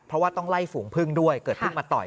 เพราะว่าต้องไล่ฝูงพึ่งด้วยเกิดเพิ่งมาต่อย